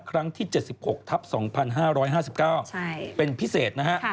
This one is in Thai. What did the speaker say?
ครั้งที่๗๖ทับ๒๕๕๙เป็นพิเศษนะฮะ